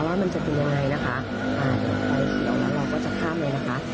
ว่ามันจะเป็นยังไงนะคะอ่าเดี๋ยวไฟเขียวแล้วเราก็จะข้ามเลยนะคะ